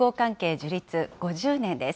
樹立５０年です。